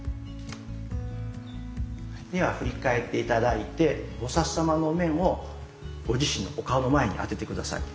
では振り返って頂いて菩様のお面をご自身のお顔の前に当てて下さい。